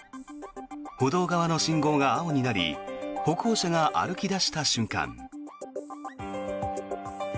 歩道側の信号が青になり歩行者が歩き出した瞬間。